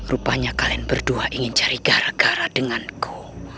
rupanya kalian berdua ingin cari gara gara denganku